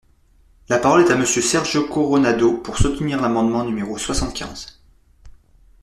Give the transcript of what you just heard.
La parole est à Monsieur Sergio Coronado, pour soutenir l’amendement numéro soixante-quinze.